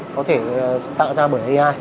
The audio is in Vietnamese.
có thể tạo ra bởi ai